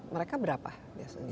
mereka berapa biasanya